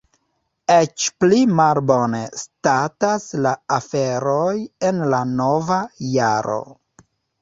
Eĉ pli malbone statas la aferoj en la nova jaro.